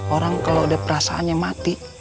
orang kalau udah perasaannya mati